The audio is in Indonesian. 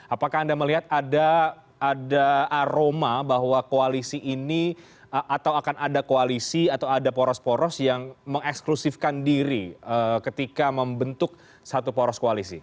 apakah anda melihat ada aroma bahwa koalisi ini atau akan ada koalisi atau ada poros poros yang mengeklusifkan diri ketika membentuk satu poros koalisi